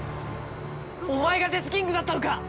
お前がデスキングだったのか？